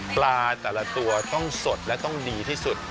แต่ละตัวต้องสดและต้องดีที่สุด